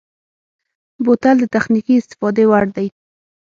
بوتل د تخنیکي استفادې وړ دی.